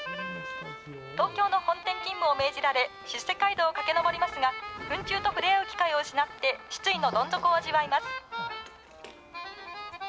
東京の本店勤務を命じられ、出世街道を駆け上りますが、フン虫と触れ合う機会を失って、失意のどん底を味わいます。